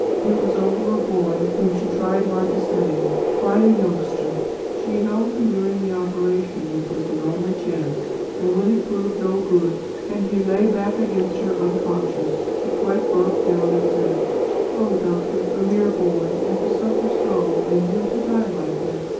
It was over a boy whom she tried hard to save quite a youngster. She had held him during the operation which was his only chance; and when it proved no good, and he lay back against her unconscious, she quite broke down and said: 'Oh, doctor, a mere boy and to suffer so, and then die like this!'